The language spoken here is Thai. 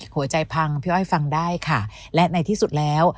หัวใจพังพี่อ้อยฟังได้ค่ะและในที่สุดแล้ว